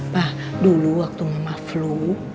bah dulu waktu mama flu